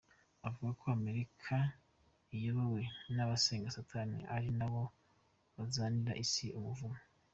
Avuga ko Amerika iyobowe n’abasenga Satani ari nabo bazanira isi umuvumo.